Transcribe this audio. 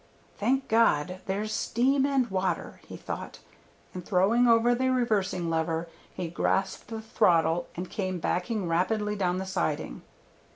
"Thank God! there's steam and water," he thought, and throwing over the reversing lever he grasped the throttle and came backing rapidly down the siding.